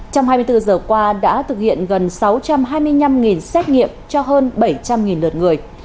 trong hai mươi bốn giờ qua đã thực hiện gần sáu trăm hai mươi năm xét nghiệm cho hơn bảy trăm linh lượt người